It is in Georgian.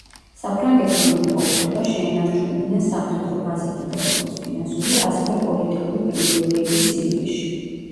საფრანგეთმა მიიღო უფლება შეენარჩუნებინა სამხედრო ბაზები და როგორც ფინანსური, ასევე პოლიტიკური პრივილეგიები სირიაში.